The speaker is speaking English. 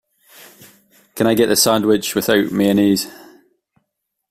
Can I get the sandwich without mayonnaise?